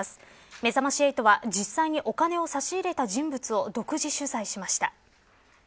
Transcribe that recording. めざまし８は実際にお金を差し入れた人物を独自取材しました。